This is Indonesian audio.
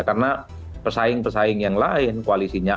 karena pesaing pesaing yang lain kualisinya